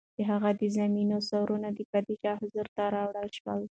د هغه د زامنو سرونه د پادشاه حضور ته راوړل شول.